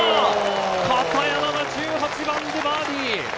片山が１８番でバーディー。